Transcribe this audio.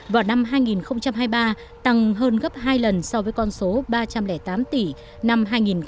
vào năm hai nghìn hai mươi ba tăng hơn gấp hai lần so với con số ba trăm linh tám tỷ năm hai nghìn hai mươi hai